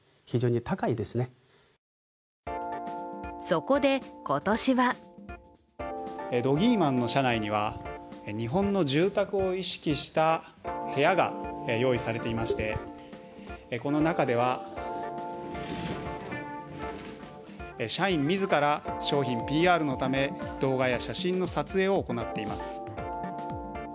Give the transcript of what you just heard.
そこで、今年はドギーマンの社内には日本の住宅を意識した部屋が用意されていましてこの中では、社員自ら商品ＰＲのため動画や写真の撮影を行っています。